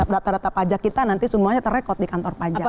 data data pajak kita nanti semuanya terrekod di kantor pajak